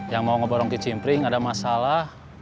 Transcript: yang mau ngeborong ke cimpring ada masalah